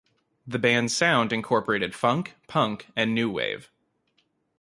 The band's sound incorporated funk, punk, and new wave.